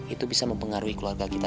itu bisa mempengaruhi keluarga kita